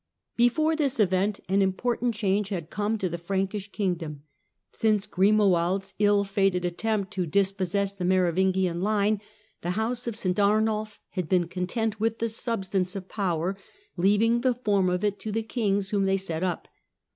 Before this event an important change had come to the Frankish kingdom. Since Grimoald's ill fated attempt to dispossess the Merovingian line, the house of St. Arnulf had been content with the substance of power, leaving the form of it to the kings whom they set up.